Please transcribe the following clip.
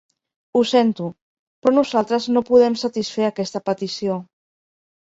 Ho sento, però nosaltres no podem satisfer aquesta petició.